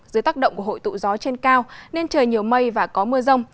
dưới tác động của hội tụ gió trên cao nên trời nhiều mây và có mưa rông